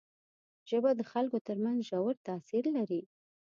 ژبه د خلکو تر منځ ژور تاثیر لري